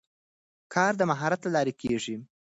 کار د مهارت له لارې ښه کېږي